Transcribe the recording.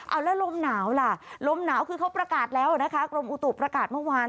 เอาแล้วลมหนาวล่ะลมหนาวคือเขาประกาศแล้วนะคะกรมอุตุประกาศเมื่อวาน